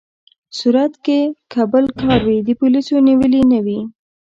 صورت کې که بل کار وي، پولیسو نیولي نه وي.